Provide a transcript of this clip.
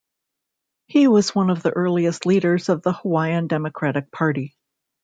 He was one of the earliest leaders of the Hawaii Democratic Party.